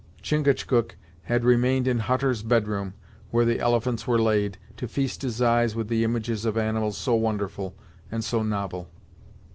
Chingachgook had remained in Hutter's bed room, where the elephants were laid, to feast his eyes with the images of animals so wonderful, and so novel.